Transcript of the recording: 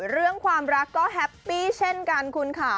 เรื่องความรักก็แฮปปี้เช่นกันคุณค่ะ